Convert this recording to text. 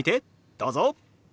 どうぞ。